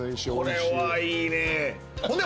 これはいいね。